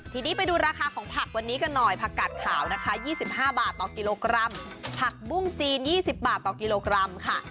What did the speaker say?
ทีนี้ไปดูราคาของผักวันนี้กันหน่อยผักกัดขาวนะคะ๒๕บาทต่อกิโลกรัมผักบุ้งจีน๒๐บาทต่อกิโลกรัมค่ะ